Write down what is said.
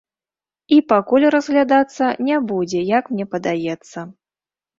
І пакуль разглядацца не будзе, як мне падаецца.